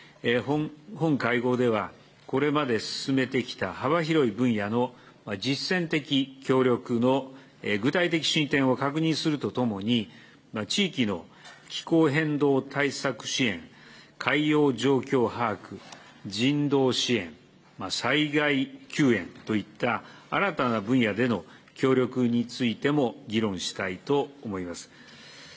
本会合では、これまで進めてきた幅広い分野の実践的協力の具体的進展を確認するとともに、地域の気候変動対策支援、海洋状況把握、人道支援、災害救援といった新たな分野での協力についても議論したいと思います。